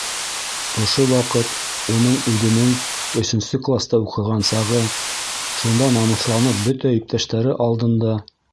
Ошо ваҡыт уның үҙенең өсөнсө класта уҡыған сағы, шунда намыҫланып бөтә иптәштәре алдында: